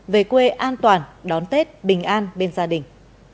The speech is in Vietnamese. về quê an toàn đón tết bình an bên gia đình